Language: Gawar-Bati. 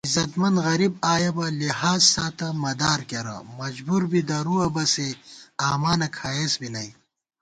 عزتمند غریب آیَہ بہ لحاظ ساتہ مدارکېرہ * مجبُور بی درُوَہ بہ سےآمانہ کھائیس بی نئ